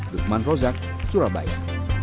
dukman rozak surabaya